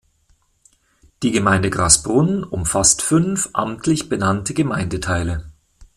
Die Gemeinde Grasbrunn umfasst fünf amtlich benannte Gemeindeteile.